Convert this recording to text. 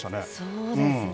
そうですね。